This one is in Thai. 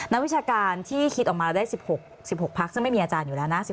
วิชาการที่คิดออกมาได้๑๖๑๖พักซึ่งไม่มีอาจารย์อยู่แล้วนะ